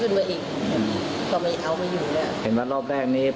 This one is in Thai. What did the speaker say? ขึ้นมาอีกอืมก็ไม่เอามาอยู่แล้วเห็นว่ารอบแรกนี้